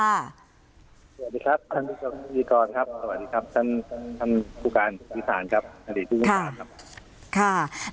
สวัสดีครับท่านผู้ชมดีกรสวัสดีครับท่านผู้การศิษฐานอาจารย์จอมเดชน์